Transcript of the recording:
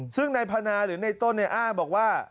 ซึ่งนายพนาหรือในต้นเนี่ยอ้างบอกว่า